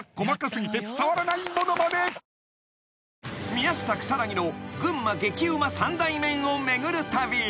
［宮下草薙の群馬激うま三大麺を巡る旅］